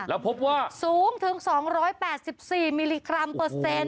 แล้วพบว่าสูงถึงสองร้อยแปดสิบสี่มิลลิกรัมเปอร์เซ็นต์